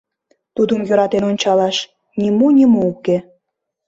Тудым йӧратен ончалаш нимо-нимо уке.